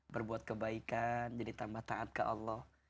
berbuat kebaikan jadi tambah taat ke allah